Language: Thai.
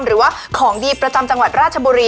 หรือว่าของดีประจำจังหวัดราชบุรี